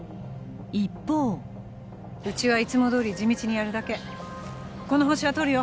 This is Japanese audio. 一方うちはいつもどおり地道にやるだけこのホシはとるよ